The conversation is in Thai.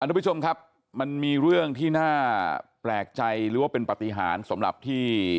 ทุกผู้ชมครับมันมีเรื่องที่น่าแปลกใจหรือว่าเป็นปฏิหารสำหรับที่